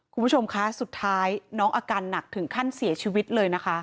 คุณผู้ชมคะสุดท้ายน้องอาการหนักถึงขั้นเสียชีวิตเลยนะคะ